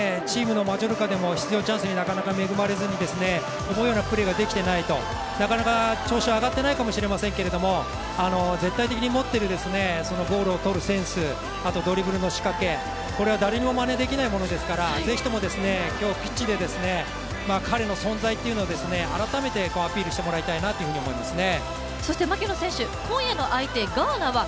なかなかチームのマジョルカでも出場チャンスに恵まれずに思うようなプレーができていないと、なかなか調子は上がっていないかもしれませんけど、絶対的に持っているゴールを取るセンス、あと、ドリブルの仕掛け、これは誰にもまねできないものですからぜひとも、今日ピッチで彼の存在っていうのを改めてアピールしてもらいたいなと思いますね。